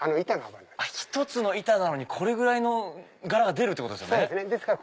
１つの板なのにこれぐらいの柄が出るってことですね。